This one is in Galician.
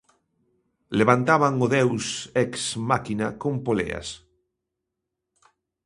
Levantaban o deus ex máchina con poleas.